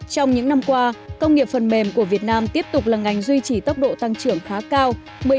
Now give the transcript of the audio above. trong những năm qua công nghiệp phần mềm của việt nam tiếp tục là ngành duy trì tốc độ tăng trưởng khá cao